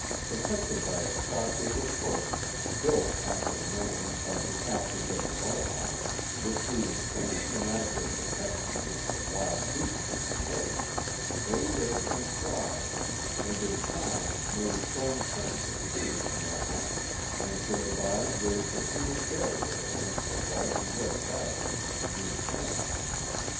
Protected by a stockade of posts, built after the manner of the castles of Schonovve or Schenectady 57 the Mohawks, which we would think inadequate protection against the wild beasts of the forests, they lived and thrived, and in time made firm friends of the fierce Mohawks, and thereby raised a human barrier against the white and red sav ages of New France.